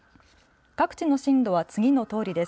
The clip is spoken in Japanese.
各地の震度は次のとおりです。